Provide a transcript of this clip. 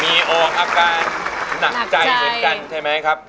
มีโอก๊ะครับการหนักใจเหลือเบื้องดันใช่ไหมครับ